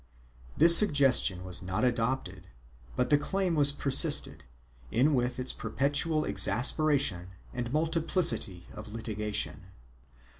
2 This suggestion was not adopted, but the claim was persisted in with its perpetual exasperation and multiplicity of litigation.